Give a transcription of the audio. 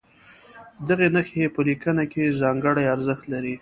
دغه نښې په لیکنه کې ځانګړی ارزښت لري.